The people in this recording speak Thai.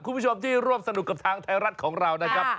คุณผู้ชมที่ร่วมสนุกกับทางไทยรัฐของเรานะครับ